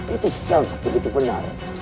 itu sangat begitu benar